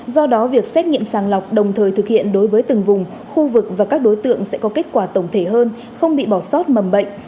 do đó việc xét nghiệm sàng lọc đồng thời thực hiện đối với từng vùng khu vực và các đối tượng sẽ có kết quả tổng thể hơn không bị bỏ sót mầm bệnh